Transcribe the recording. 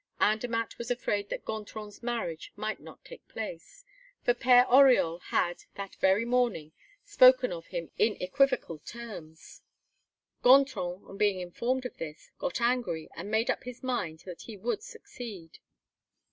Andermatt was afraid that Gontran's marriage might not take place, for Père Oriol had, that very morning, spoken of him in equivocal terms. Gontran, on being informed of this, got angry and made up his mind that he would succeed.